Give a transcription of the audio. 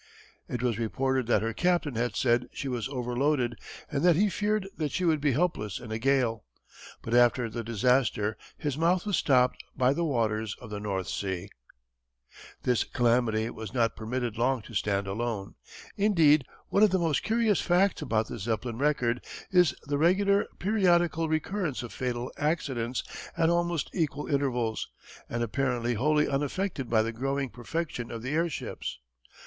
It was reported that her captain had said she was overloaded and that he feared that she would be helpless in a gale. But after the disaster his mouth was stopped by the waters of the North Sea. [Illustration: A German Dirigible, Hansa Type. © U.& U.] This calamity was not permitted long to stand alone. Indeed one of the most curious facts about the Zeppelin record is the regular, periodical recurrence of fatal accidents at almost equal intervals and apparently wholly unaffected by the growing perfection of the airships.